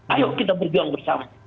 ayo kita berbicara bersama